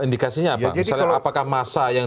indikasinya apa misalnya apakah masa yang